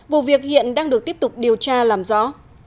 vụ việc hiện đang được tiếp tục điều tra làm rõ